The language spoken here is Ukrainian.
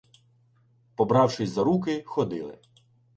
Побравшись за руки, ходили